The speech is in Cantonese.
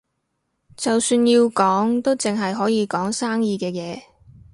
就算要講，都淨係可以講生意嘅嘢